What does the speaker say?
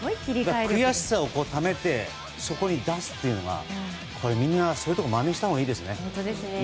悔しさをためて、出すというみんなそういうところまねしたほうがいいですね。